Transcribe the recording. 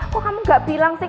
kok kamu gak bilang sih